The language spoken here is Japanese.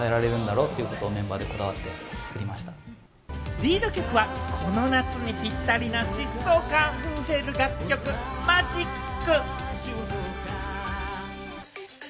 リード曲は、この夏にぴったりな疾走感あふれる楽曲『Ｍａｇｉｃ』。